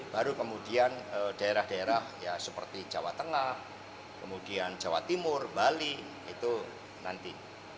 baru kemudian daerah daerah ya seperti jawa tengah kemudian jawa timur bali itu nanti